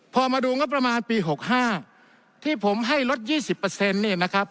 พอมาดูงบประมาณปีหกห้าที่ผมให้ลดยี่สิบเปอร์เซ็นต์นี่นะครับ